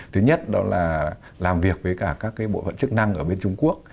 thứ nhất là làm việc với các bộ phận chức năng ở bên trung quốc